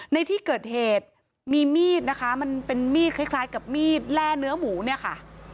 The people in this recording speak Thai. ในที่เกิดเหตุมีมีดนะคะมันเป็นมีดคล้ายกับมีดแร่เนื้อหมูเนี่ยค่ะ